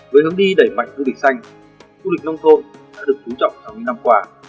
với hướng đi đẩy mạnh du lịch xanh du lịch nông thôn đã được chú trọng trong những năm qua